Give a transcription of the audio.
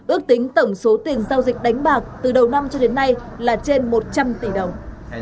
ước tính tổng số tiền giao dịch đánh bạc từ đầu năm cho đến nay là trên một trăm linh tỷ đồng